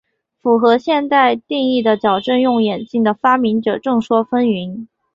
符合现代定义的矫正用眼镜的发明者众说纷纭。